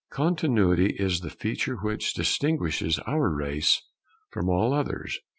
Continuity is the feature which distinguishes our race from all others.